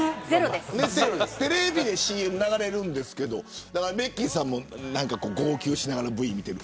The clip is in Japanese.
テレビでＣＭ流れるんですけどベッキーさんも号泣しながらＶＴＲを見ている。